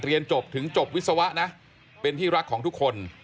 เรียนจบถึงจบวิศวะนะเป็นที่รักของทุกคน